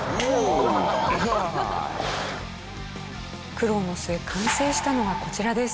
苦労の末完成したのがこちらです。